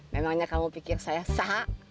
memangnya kamu pikir saya sah